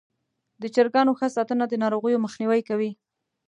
د چرګانو ښه ساتنه د ناروغیو مخنیوی کوي.